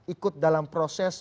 ikut dalam proses